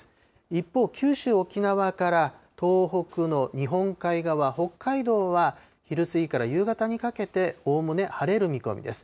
一方、九州、沖縄から東北の日本海側、北海道は昼過ぎから夕方にかけておおむね晴れる見込みです。